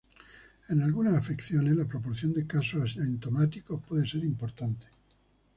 En algunas afecciones, la proporción de casos asintomáticos puede ser importante.